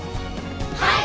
はい！